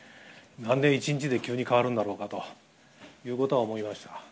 なんで一日で急に変わるんだろうかということは思いました。